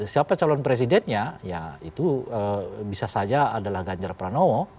siapa calon presidennya ya itu bisa saja adalah ganjar pranowo